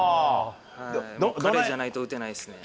彼じゃないと、打てないですね。